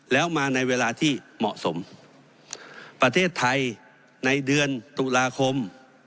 แล้วมาในเวลาที่เหมาะสมประเทศไทยในเดือนตุลาคม